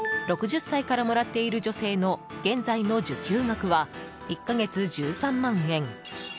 ６０歳からもらっている女性の現在の受給額は１か月１３万円。